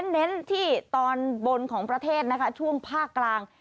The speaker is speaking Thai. เน้นที่ตอนบนของประเทศนะคะช่วงภาคกลาง